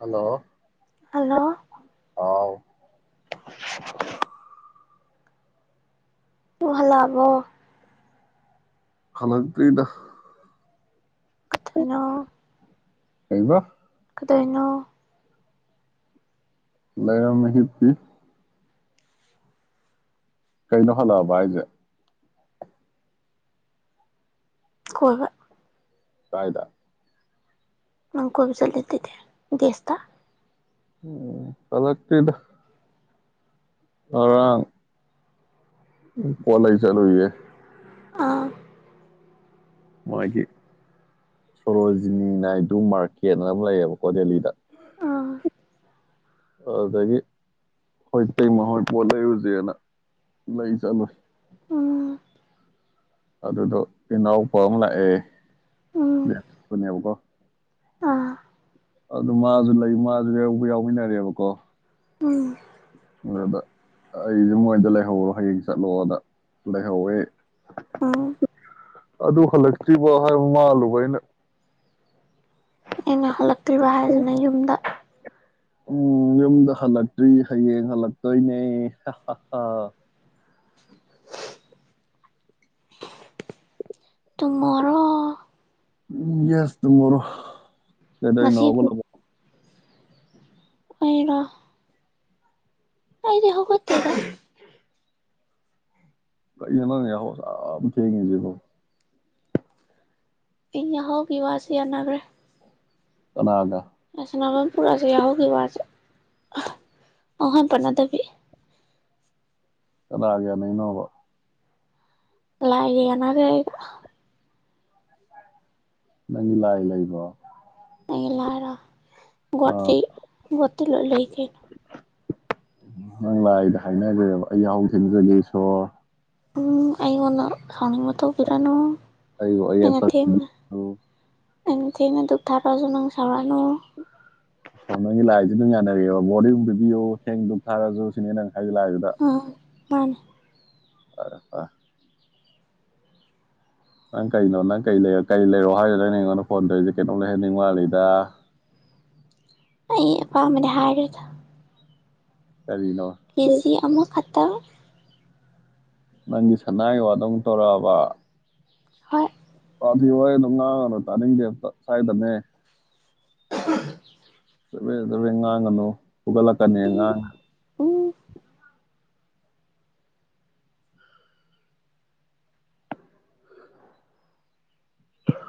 Hello hello [inaudible] [unintelligible] ꯀꯍꯂꯕꯣ ꯐꯂꯛꯇꯔꯤꯗ ꯑꯊꯣꯏꯅꯣ ꯀꯩꯕ ꯀꯗꯣꯏꯅꯣ ꯂꯩꯔꯝ ꯃꯍꯤꯀꯤ ꯀꯩꯅꯣ ꯍꯜꯂꯛꯑꯕ ꯍꯥꯖꯦ ꯀꯣꯏꯕ ꯀꯥꯏꯗ ꯃꯀ ꯆꯠꯂꯇ ꯒꯦꯁꯇꯗ ꯎꯝ ꯐꯂꯥꯛꯇꯗ ꯔꯥꯡ ꯀꯣꯂ ꯆꯂꯨꯦ ꯑꯥ ꯃꯣꯏꯒꯤ ꯁꯣꯔꯣꯖꯤꯅꯤꯅ ꯗꯨ ꯃꯥꯔꯀꯦꯠꯅ ꯑꯃ ꯂꯩꯌꯦꯕꯀꯣ ꯗꯦꯜꯂꯤꯗ ꯑꯥ ꯑꯗꯨꯗꯒꯤ ꯍꯣꯏꯇꯩꯩꯃꯣꯏ ꯄꯣꯠ ꯂꯩꯔꯨꯁꯦꯅ ꯂꯩ ꯆꯠꯂꯨ ꯎꯝ ꯑꯗꯨꯗꯣ ꯏꯅꯥꯎꯄꯥ ꯑꯃ ꯂꯥꯛꯑꯦ ꯎꯝ ꯌꯥꯅꯦꯕꯀꯣ ꯑꯥ ꯑꯗꯨ ꯃꯥꯁꯨ ꯂꯩ ꯃꯥꯁꯨ ꯌꯧꯕ ꯌꯥꯎꯃꯤꯟꯅꯔꯦꯕꯀꯣ ꯎꯝ ꯔꯕꯔ ꯑꯩꯁꯦ ꯃꯣꯏꯗ ꯂꯩꯍꯧꯔꯣ ꯍꯌꯦꯡ ꯆꯠꯂꯣꯗ ꯂꯩꯍꯧꯋꯦ ꯎꯝ ꯑꯗꯨ ꯍꯜꯂꯛꯇ꯭ꯔꯤꯕꯣ ꯍꯥꯏꯕ ꯃꯥꯜꯂꯨꯕ ꯑꯩꯅ ꯑꯩꯅ ꯍꯜꯂꯛꯇ꯭ꯔꯤꯕ ꯍꯥꯏꯁꯤꯅ ꯌꯨꯝꯗ ꯎꯝ ꯌꯨꯝꯗ ꯍꯜꯂꯛꯇ꯭ꯔꯤ ꯍꯌꯦꯡ ꯍꯜꯂꯛꯇꯣꯏꯅꯦ ꯇꯨꯃꯣꯔꯣ ꯌꯦꯁ ꯇ ꯃꯔꯣ ꯀꯗꯣꯏ ꯉꯁꯤ ꯅꯍꯕꯨ ꯂꯕꯣ [inaudible] ꯑꯔꯣ ꯑꯩꯗꯤ ꯍꯒꯦꯇꯗ ꯀ ꯅ ꯌꯥꯍꯣ ꯁꯥ ꯊꯦꯉꯤꯁꯤꯕꯣ ꯏꯌꯥ ꯍꯒ ꯋꯥꯁꯤ ꯍꯌꯥꯅꯥꯒꯔꯦ ꯀꯅꯥꯒ ꯄꯨꯔꯥꯁꯦ ꯌꯥꯎꯍꯧꯈꯤꯕ ꯋꯥꯁꯦ ꯑꯍꯣꯏ ꯄꯅꯗꯕꯤ ꯀꯂꯥꯒ ꯌꯥꯅꯩꯅꯕ ꯂꯑꯦꯅꯔꯦ ꯌꯥꯅꯒꯤ ꯑꯩꯒ ꯅꯪꯒꯤ ꯂꯥꯛꯑ ꯂꯩ ꯂꯩꯕꯣ ꯑꯩ ꯂꯔ ꯑ ꯠꯁꯤ ꯇꯂꯒ ꯂꯩ ꯀꯩꯅ ꯅꯪ ꯂꯥꯛꯏꯗ ꯍꯥꯏꯅꯈ꯭ꯔꯦꯕ ꯑꯩ ꯌꯥꯍ ꯊꯦꯡꯖꯒꯦ ꯁꯣꯔ ꯎꯝ ꯑꯩꯉꯅ ꯈꯥꯎꯅꯤꯡ ꯃ ꯇꯧꯕ ꯄꯤꯔꯅꯣ ꯑꯩꯕꯨ ꯉ ꯊ ꯑꯌꯦꯠꯄ ꯄꯤꯕꯤꯌꯨ, ꯑꯦ ꯊꯅ ꯗꯨꯛ ꯊꯥ ꯇꯖꯅꯪ ꯁꯔ ꯅꯨ꯫ ꯑꯣ ꯅꯪꯒꯤ ꯂꯥꯏꯁꯤ ꯑꯗꯨꯝ ꯌꯥꯅꯔꯑꯦꯕ ꯕꯣꯔꯗꯤ ꯑꯗꯨꯝ ꯄꯤꯕꯤꯌꯨ ꯊꯦꯡꯗ ꯑꯗꯨꯝ ꯊꯥꯔꯁꯨ ꯁꯤꯅꯦ ꯅꯪ ꯍꯥꯏꯒꯂ ꯂꯥꯏꯒꯗ ꯟ [unintelligible] ꯑꯥ ꯅꯪ ꯀꯩꯅꯣ ꯅꯪ ꯀꯔꯤ ꯂꯩ ꯀꯔꯤ ꯊꯣꯡꯂꯩꯔꯣ ꯍꯥꯏꯗꯨꯗ ꯑꯩꯅ ꯑꯩꯉꯣꯟꯗ ꯐꯣꯟ ꯇꯧꯔꯤꯁꯦ ꯀꯩꯅꯣꯝ ꯂꯩꯍꯟꯅꯤꯡ ꯃꯥꯜꯂꯤꯗ ꯑ ꯑꯄꯥꯝꯕꯅꯦ ꯍꯥꯏꯔꯗ ꯀꯔꯤꯅꯣ ꯀꯦꯖꯤ ꯑꯃꯨꯛ ꯐꯠꯇ ꯅꯪꯒꯤ ꯁꯅꯥꯒꯤ ꯋꯥꯗ ꯑꯃ ꯇꯧꯔꯛꯑꯕ ꯍꯣꯏ ꯗꯤꯤ ꯍꯣꯏ ꯑꯗꯨꯝ ꯉꯥꯡꯉꯅ ꯇꯥꯅꯤꯡꯗꯦ ꯑꯇ ꯁ꯭ꯋꯥꯏꯗꯅꯦ [unintelligible] ꯆꯕꯦꯡ ꯆꯕꯦꯡ ꯉꯥꯡꯒꯅꯨ ꯐꯨꯒꯠꯂꯥꯛ ꯀꯅꯤ ꯑꯉꯥꯡ ꯅꯥ ꯎ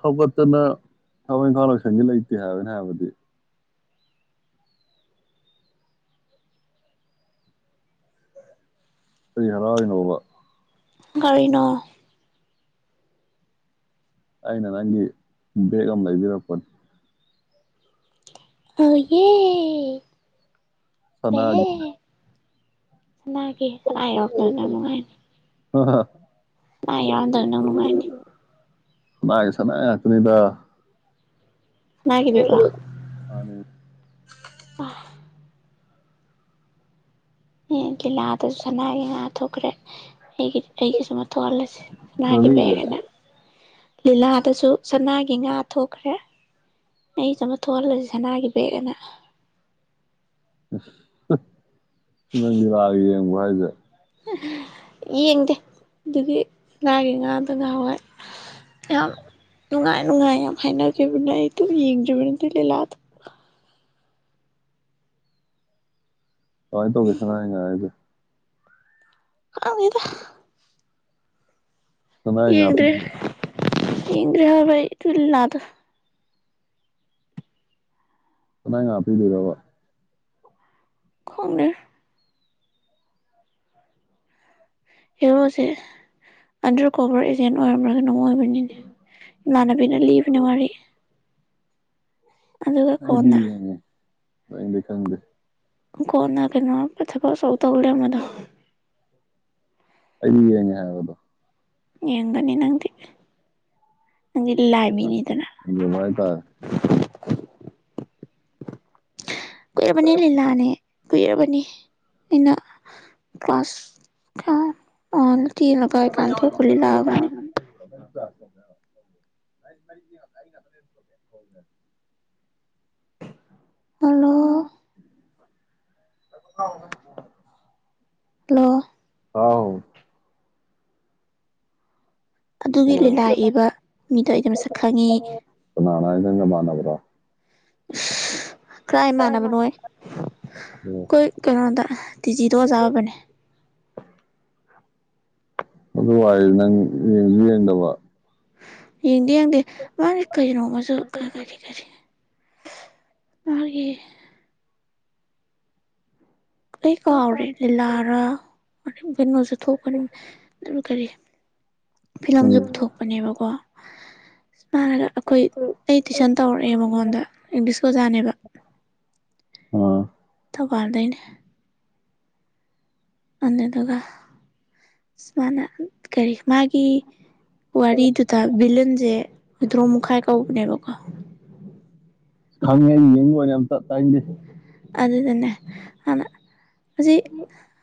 ꯍꯧꯒꯠꯇꯅ ꯊꯕꯛ ꯏꯪꯈꯥꯜ ꯂꯣꯏꯁꯪꯗꯤ ꯂꯩꯇꯦ ꯍꯥꯏꯕ ꯑꯩꯅꯥ ꯍꯥꯏꯕꯗꯤ ꯑꯩ ꯍꯔꯥꯎꯔꯤꯅꯣ ꯕꯥ ꯀꯔꯤꯅꯣ ꯑꯩꯅ ꯅꯪꯒꯤ ꯕꯦꯛ ꯑꯃ ꯂꯩꯕꯤꯔꯛꯄꯅꯤ ꯑꯩꯒꯤ ꯁꯅꯥ ꯁꯅꯥꯒꯤ ꯀꯩ ꯁꯅꯥ ꯍꯦꯛ ꯌꯥꯎꯔꯛꯇꯕꯗꯥ ꯅꯪ ꯅꯨꯡꯉꯥꯏꯅꯤ ꯍ ꯍ ꯁꯅꯥ ꯌꯥꯎꯔꯃꯗꯕꯗꯥ ꯅꯨꯡꯉꯥꯏꯅꯤ ꯁꯅꯥꯒꯤ ꯁꯅꯥ ꯉꯥꯛꯇꯥ ꯅꯤꯗ ꯁꯅꯥꯒꯤ ꯕꯦꯛ ꯂꯣ [unintelligible] ꯑꯦ ꯀꯤꯂꯥ ꯑꯗꯨꯁꯨ ꯁꯅꯥꯒꯤ ꯉꯥ ꯊꯣꯛꯈ꯭ꯔꯦ ꯑꯩꯒꯤ ꯑꯩꯒꯤꯁꯨꯃ ꯊꯣꯛꯍꯜꯂꯁꯤ ꯁꯅꯥꯒꯤ ꯕꯦꯒ ꯅꯪꯒꯤꯁꯦ ꯍꯥꯏꯅ ꯂꯤꯂꯥꯗꯁꯨ ꯁꯅꯥꯒꯤ ꯉꯥ ꯊꯣꯛꯈ꯭ꯔꯦ ꯑꯩ ꯆꯃ ꯊꯣꯛꯍꯜꯂꯁꯤ ꯁꯅꯥꯒꯤ ꯕꯦꯒ ꯑꯅ ꯎ ꯁꯅꯒꯤ ꯂꯑꯦ [inaudible] ꯍꯥꯏꯒ ꯌꯦꯡꯗꯦ ꯑꯗꯨꯒꯤ ꯁꯅꯥꯒꯤ ꯉꯥꯗꯣ ꯉꯥꯋꯥꯏ ꯌꯥꯝ ꯅꯨꯡꯉꯥꯏ ꯅꯨꯡꯉꯥꯏ ꯌꯥꯝ ꯍꯥꯏꯅꯒꯤꯕꯅꯦ ꯀꯦꯕꯅꯦ ꯑꯩ ꯑꯗꯨꯝ ꯌꯦꯡꯁꯤ ꯖꯤꯟꯗꯤ ꯂꯤꯂꯥ ꯗꯣ ꯀꯃꯥꯏ ꯇꯧ ꯕꯥ ꯁꯅꯥꯒꯤ ꯉꯥ ꯍꯥꯏꯖꯦ ꯀꯡꯗꯦꯗꯥ ꯁꯅꯥꯏꯒꯤ ꯉꯥ ꯏꯒ꯭ꯔꯍꯕ ꯇꯅꯥꯗ ꯉ ꯑꯄꯤꯗꯤ ꯔꯕ ꯈꯡꯗꯦ ꯍꯦꯔꯣ ꯁꯦ ꯑꯟꯗ꯭ꯔ ꯀꯣꯕꯔ ꯑꯦꯖꯦꯟ ꯑꯣꯏꯔꯝꯃ꯭ꯔꯒꯅ ꯑꯣꯏꯕꯅꯤꯅꯦ ꯏꯃꯥꯟꯅꯕꯤꯅ ꯂꯤꯕꯅꯦ ꯋꯥꯔꯤ ꯑꯗꯨꯒ ꯅꯥꯪ ꯕꯤ ꯀꯣꯟꯅ ꯌꯦꯡꯉꯦ ꯂꯑꯣꯏꯟꯗꯤ ꯈꯪꯗꯔ꯭ꯦ ꯀꯣꯅ ꯀꯩꯅꯣ ꯊꯕꯛ ꯑꯥ ꯇꯧ ꯂꯩꯔꯝꯕꯗꯣ ꯑꯩꯗꯤ ꯌꯦꯡꯉꯦ ꯍꯥꯏꯕꯗꯣ ꯌꯦꯡꯒꯅꯤ ꯅꯪꯗꯤ ꯅꯪꯗꯤ ꯂꯥꯏ ꯃꯤꯅꯤꯗꯅ ꯍꯥꯏꯇꯥꯔꯦ ꯎꯔꯄꯅꯤ ꯂꯩꯂꯑꯅꯦ ꯀꯨꯏꯔꯕꯅꯤ ꯑꯩꯅ ꯀ꯭ꯂꯥꯁ ꯅ ꯀꯥꯏ ꯀꯥꯟ ꯊꯣꯛꯈꯂꯤ ꯂꯥꯛꯑꯒꯅꯤ ꯃ ꯉꯦ ꯄꯂꯣ [unintelligible] ꯍꯜꯂꯣ ꯑꯥꯎ ꯑꯗꯨꯒꯤ ꯂꯤꯂꯥ ꯏꯕ ꯃꯤꯗꯣ ꯑꯩꯩꯅ ꯃꯁꯛ ꯈꯪꯉꯤ ꯃꯥꯅꯕ꯭ꯔꯣ [unintelligible] ꯀ꯭ꯔꯥꯏ ꯃꯥꯟꯅꯕꯅꯣ ꯍꯥꯏ ꯑꯣ ꯑꯩꯈꯣꯏ ꯀꯩꯅꯣꯗ ꯇꯤꯖꯤꯗꯣ ꯆꯥꯕꯅꯦ ꯑ ꯋꯥꯏ ꯅꯪꯗꯕ ꯏ ꯌꯦꯗꯦ ꯃꯔ ꯀꯅꯅꯨꯡꯃꯁꯨ ꯀ ꯀꯔꯤ ꯀꯔꯤ ꯃꯥꯒꯤ ꯁꯩ ꯀꯥꯎꯔꯔꯤꯗꯤ ꯂꯥꯔ [unintelligible] ꯊꯧ ꯀꯔꯤ ꯎꯝ ꯐꯤꯂꯝꯁꯨ ꯄꯨꯊꯣꯛꯄꯅꯦꯕꯀꯣ ꯁꯨꯃꯔꯒ ꯑꯩꯈꯣꯏ ꯑꯩ ꯇꯨꯏꯁꯟ ꯇꯧꯔꯛꯑꯦ ꯃꯉꯣꯟꯗ ꯏꯪꯂꯤꯁ ꯑꯣꯖꯥꯅꯦꯕ ꯑ ꯄꯥꯔꯗꯅ ꯑꯗꯨꯗꯨꯒ ꯁꯨꯃꯅ ꯀꯔꯤ ꯃꯥꯒꯤ ꯋꯥꯔꯤꯗꯨꯗ ꯚꯂꯟꯁꯦ ꯍꯏꯗ꯭ꯔꯣ ꯃꯈꯨꯥꯏ ꯀꯧꯕꯅꯦꯕꯀꯣ ꯈꯉ ꯌꯦꯡ ꯋꯥꯅꯦ ꯑꯇ ꯇꯥꯡꯗꯤꯦ ꯑꯗꯨꯗꯗꯟꯅꯦ ꯑꯅ ꯑꯁꯤ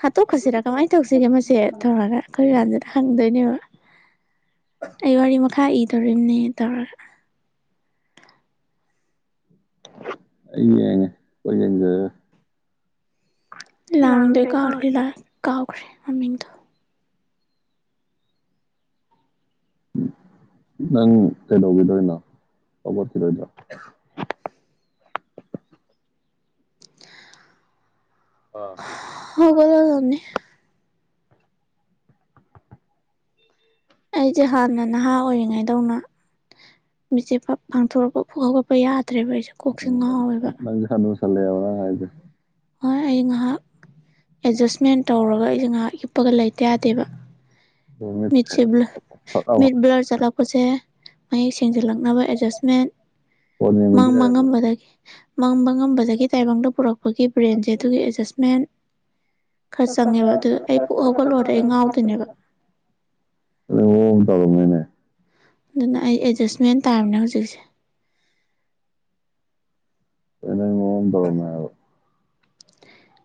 ꯍꯥꯠꯇꯣꯛꯈꯁꯤꯔꯥ ꯀꯃꯥꯏꯅ ꯇꯧꯁꯤꯒꯦ ꯃꯁꯦ ꯇꯧꯔꯒ ꯑꯩꯈꯣꯏ ꯀꯥꯟꯗ ꯍꯪꯗꯣꯏꯅꯦꯕ ꯑꯩ ꯋꯥꯔꯤ ꯃꯈꯥ ꯏ ꯇꯧꯔꯤꯝꯅꯦ ꯍꯥꯏꯇꯥꯔꯒ ꯑꯉ ꯑꯩꯣꯏ ꯑ ꯀꯍ ꯂ ꯀꯥꯎꯈ꯭ꯔꯦ ꯃꯃꯤꯡꯗꯣ ꯅꯪ ꯀꯩꯗꯧꯈꯤꯗꯣꯏꯅꯣ ꯂꯧꯈꯠꯈꯤꯗꯣꯏꯗ꯭ꯔꯣ ꯑꯥ ꯍꯒꯣꯂꯝꯅꯤ ꯑꯩꯁꯦ ꯍꯥꯟꯅ ꯅꯍꯥ ꯑꯣꯏꯔꯤꯉꯩꯗꯧꯅ ꯃꯤꯆꯦ ꯄꯥꯡꯊꯣꯔꯛꯄ ꯐ ꯍꯧꯒꯠꯄ ꯌꯥꯗꯦ ꯐꯠꯇ꯭ꯔꯦꯕ ꯑꯩꯁꯦ ꯀꯣꯛꯆꯤꯡ ꯉꯥꯎꯋꯦꯕ ꯆꯂꯦ ꯋꯥ ꯍꯥꯏꯦ ꯍꯣꯏ ꯑꯩ ꯉꯥꯏꯍꯥꯛ ꯑꯦꯗꯖꯁꯃꯦꯟ ꯇꯧꯔꯒ ꯑꯩꯁꯦ ꯉꯥꯏꯍꯥꯛꯀꯤ ꯀꯞꯄꯒ ꯂꯩꯇ ꯌꯥꯗꯦꯕ ꯃꯤꯠꯁꯦ ꯃꯤ꯭ꯂ ꯐꯠ ꯃꯤ ꯂꯥꯎ ꯕ꯭ꯂꯔ ꯆꯠꯂꯄꯁꯦ ꯑꯩ ꯊꯦꯡꯖꯤꯜꯂꯛꯅꯕ ꯑꯦꯗꯖꯁꯃꯦꯟ ꯐꯣꯟ ꯌꯦꯡꯕꯗꯤ ꯌꯥꯏꯑꯕ ꯃꯥꯡꯉꯝꯕꯗꯒꯤ ꯃꯥꯡꯕ ꯉꯝꯕꯗꯒꯤ ꯇꯥꯏꯕꯪꯗ ꯄꯨꯔꯛꯄ ꯑꯩꯈꯣꯏꯒꯤ ꯕ꯭ꯔꯦꯟꯁꯦ ꯑꯗꯨꯒꯤ ꯑꯦꯠꯖꯁꯃꯦꯟ ꯈꯔ ꯆꯪꯉꯦꯕ ꯑꯗꯨ ꯑꯩ ꯄꯨꯛ ꯍꯧꯒꯠꯂꯛꯗ ꯑꯩ ꯉꯥꯎꯗꯣꯏꯅꯦꯕ ꯑꯗꯨ ꯍꯟ ꯇꯧꯔꯉꯦꯅꯦ ꯑꯗꯨꯅ ꯑꯩ ꯑꯦꯗꯖꯁ ꯃꯦꯟ ꯇꯥꯔꯕꯅꯦ ꯍꯧꯖꯤꯛꯁꯦ ꯑꯩꯅ ꯃꯣꯟ ꯇꯧꯉꯣ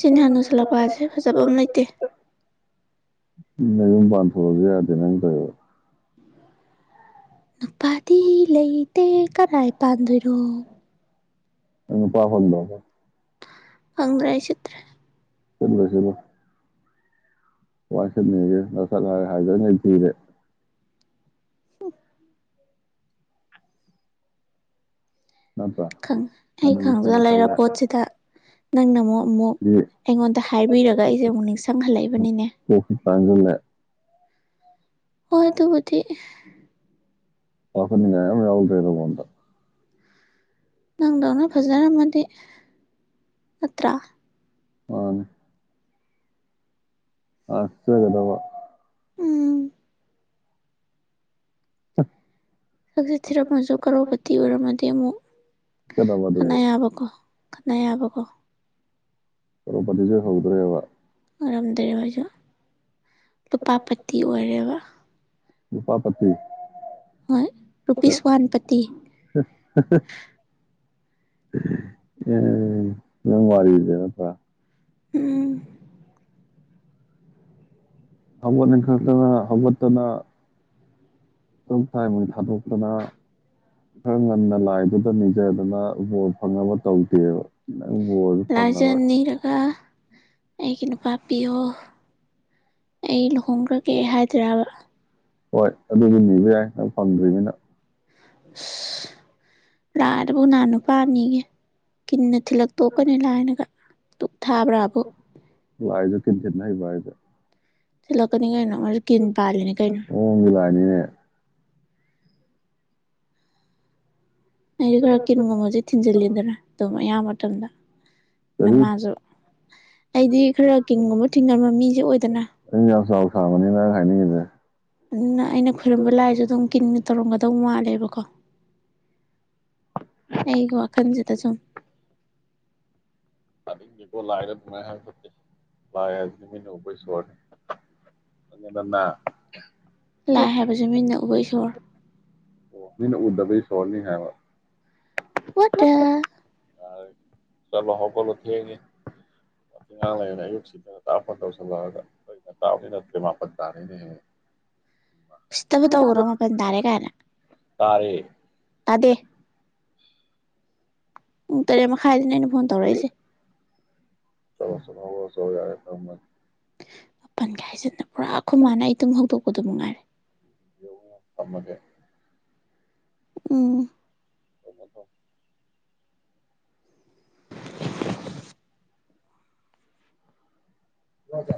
ꯁꯤꯅꯤꯍꯥꯟ ꯅꯨꯁꯜꯂꯛꯄ ꯍꯥꯏꯁꯦ ꯐꯖꯕ ꯑꯃ ꯂꯩꯇꯦ ꯃ ꯌꯨꯝ ꯄꯥꯟ ꯊꯣꯛꯂꯗꯤ ꯌꯥꯗꯦ ꯅꯪ ꯇ ꯅꯨꯄꯥꯗꯤ ꯂꯩꯇꯦ ꯀꯗꯥꯥꯏ ꯄꯥꯟꯗꯣꯏꯅꯣ ꯎ ꯄꯥ ꯐꯟꯗꯕ ꯑꯪꯒ꯭ꯔꯥꯖ ꯆꯇ꯭ꯔꯦ ꯆꯂꯁꯤꯂꯣ ꯋꯥꯁꯅꯦꯌꯦꯦ ꯍꯥꯏꯖꯅ ꯊꯔꯦ ꯅꯠꯇ꯭ꯔꯥ ꯑꯩ ꯍꯅꯨꯁꯨ ꯈꯪꯖꯒ ꯂꯩꯔ ꯍꯅꯨꯁꯜꯂꯦ ꯄꯣꯠꯁꯤꯗ ꯅꯪꯅ ꯑꯃꯨꯛ ꯑꯃꯨꯛ ꯁꯤ ꯑꯩꯉꯣꯟꯗ ꯍꯥꯏꯕꯤꯔꯒ ꯑꯩꯁꯦ ꯑꯃꯨꯛ ꯅꯤꯡꯁꯤꯡꯍꯜꯂꯛꯏꯕꯅꯤꯅꯦ ꯇꯥꯡꯒꯂ ꯍꯣꯏ ꯇꯣ ꯗꯤꯤ ꯄꯈꯅꯤꯡ ꯌꯥꯗꯦ ꯑꯗꯨ ꯐꯗ ꯅꯪꯗꯧꯅ ꯐꯖꯔꯝꯃꯗꯤ ꯅꯠꯇ ꯍ ꯑ ꯁꯤꯒꯗꯕ ꯎꯝ ꯑ ꯍꯛꯆꯤꯠ ꯊꯤꯔꯝꯃꯁꯨ ꯀꯔꯣꯕꯇꯤ ꯑꯣꯏꯔꯝꯃꯗꯤ ꯑꯃꯨꯛ ꯆꯠꯀꯗꯕ ꯀꯅ ꯑꯗꯨꯁꯨ ꯌꯥꯕꯀꯣ ꯈꯠꯅ ꯌꯥꯕꯀꯣ ꯀꯣꯔꯣꯄꯇꯤꯁꯨ ꯍꯧꯗ꯭ꯔꯦꯕ ꯉꯔꯝꯗ꯭ꯔ ꯑꯩꯖ ꯂꯨꯄꯥ ꯄꯇꯤ ꯑꯣꯏꯔꯦꯕ ꯎꯄꯥꯄꯇꯤ ꯍꯣꯏ ꯔꯨꯄꯤꯁ ꯋꯥꯟ ꯄꯇꯤ ꯑꯦ ꯃꯋꯥꯔꯤꯗꯦ ꯊ ꯎꯝ ꯍꯧꯒꯠꯅꯤꯡꯈꯅ ꯍꯧꯒꯠꯇꯅ ꯇ ꯇꯥꯏꯃꯤꯡ ꯊꯥꯗꯣꯛꯇꯅ ꯈꯔ ꯉꯟꯅ ꯂꯥꯏꯗꯨꯗ ꯅꯤꯖꯗꯅ ꯕꯣꯔ ꯐꯪꯅꯕ ꯇꯧꯗꯦꯕ ꯅꯪ ꯕꯣꯜꯁꯨ ꯐꯪꯉꯔꯣꯏ ꯂꯥꯏꯖꯟꯅꯤꯔꯒ ꯑꯩꯒꯤ ꯅꯨꯄꯥ ꯄꯌꯣ ꯑꯩ ꯐꯣꯡꯈ꯭ꯔꯒꯦ ꯍꯥꯏꯗ꯭ꯔꯕ ꯍꯣꯏ ꯑꯗꯨꯗꯤ ꯅꯤꯕ ꯌꯥꯏ ꯅ ꯐꯪꯗ꯭ꯣꯏꯅꯤꯅ ꯔꯠ ꯄꯨꯨꯅꯥꯅ ꯄꯥꯅꯤꯒ ꯀꯅꯦ ꯊꯤꯜꯂꯛꯇꯣꯛꯀꯅꯤ ꯂ ꯍꯥꯏꯅꯒ ꯗꯨꯛ ꯊꯥꯕ꯭ꯔꯥꯕꯨ ꯂꯥꯏꯖꯨ ꯀꯤꯟ ꯊꯤꯅꯕꯥ ꯍꯩꯕꯔꯥ ꯍꯥꯌꯖꯦ ꯆꯠꯂꯛꯀꯅꯤ ꯀꯩꯅꯣ ꯃꯔ ꯀꯤꯟ ꯄꯥꯜꯂꯤꯅꯦ ꯀꯩꯅꯣ ꯑꯅꯦ ꯑꯩꯗꯤ ꯈꯔ ꯀꯤꯟꯒꯨꯝꯕꯁꯦ ꯊꯤꯟꯖꯤꯜꯂꯤꯗꯅ ꯑꯗꯨꯝ ꯑꯌꯥꯝꯕ ꯗ ꯑꯗꯨ ꯅꯃꯥꯖ ꯑꯩꯗꯤ ꯈꯔ ꯀꯤꯟꯒꯨꯝꯕ ꯊꯤꯡꯉꯝꯕ ꯃꯤꯁꯦ ꯑꯣꯏꯗꯅ ꯅꯪ ꯌꯥꯝ ꯆꯥꯎ ꯁꯥꯕꯅꯤ ꯅꯪ ꯍꯥꯏꯅꯤꯡꯉꯤꯁꯦ ꯎ ꯑꯩꯅ ꯈꯣꯏꯔꯨꯝꯕ ꯂꯥꯏꯁꯨ ꯑꯗꯨꯝ ꯀ ꯇꯧꯔꯝꯒꯗꯧ ꯃꯥꯜꯂꯦꯕꯀꯣ ꯑꯩꯒꯣ ꯋꯥꯈꯟꯁꯦꯗ ꯆꯝ ꯂꯗꯤꯦꯀꯣ ꯂꯥꯏꯔ ꯅꯨꯡꯉꯥꯏ ꯍꯥꯏ ꯐꯠꯇꯦ ꯂꯥꯏ ꯍꯥꯏꯁꯤ ꯅꯨꯃꯤꯅ ꯎꯕꯩ ꯁꯣꯔꯅꯦ ꯅꯪꯉꯦꯅ ꯂꯥꯏ ꯍꯥꯏꯕꯁꯦ ꯃꯤꯅ ꯎꯕ ꯏꯁꯣꯔ ꯑꯣ ꯃꯤ ꯑꯣꯗ ꯀ ꯁꯣꯔꯅꯤ ꯍꯥꯏ ꯋꯥ ꯋꯥꯗ ꯌꯥ ꯆꯠꯂꯣ ꯍꯧꯒꯠꯂꯣ ꯊꯦꯡꯉꯤꯉꯥꯡ ꯂꯩꯔꯅ ꯑꯌꯨꯛ ꯁꯤꯗ ꯉ ꯇꯥꯛꯄ ꯇꯧꯁꯤꯜꯂꯛꯑꯒ ꯑꯩ ꯉ ꯇꯁꯤ ꯅꯠꯇ꯭ꯔꯦ ꯃꯥꯄꯟ ꯇꯥꯅꯤꯅ ꯍꯦꯡꯉ ꯁꯤꯇꯕꯨ ꯇꯧ꯭ꯔꯣ ꯃꯄꯟ ꯇꯥꯔꯦ ꯀꯥꯏꯅ ꯇꯥꯔꯦ ꯇꯗꯦ ꯎ ꯇꯔ ꯑꯃ ꯈꯥꯏꯗꯅ ꯐꯣꯟ ꯇꯧꯔꯛꯏꯁꯦ ꯆꯠꯣ ꯆꯂꯣ ꯍ ꯆ ꯌꯥꯔꯦ ꯀ ꯃꯄꯟꯒ ꯍꯥꯏꯁꯤꯅ ꯄꯨꯔꯥ ꯈꯨꯈ ꯃꯥꯅ ꯑꯩ ꯇꯨꯝ ꯍꯧꯗꯣꯛꯄꯗꯣ ꯅꯨꯡꯉꯥꯏꯔꯦ ꯑꯃꯗꯦ ꯎꯝ ꯀꯃꯗꯣ ꯍꯀ